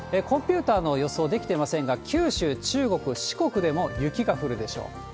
コンピューターの予想できていませんが、九州、中国、四国でも雪が降るでしょう。